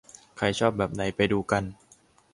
ใครชอบแบบไหนไปดูกัน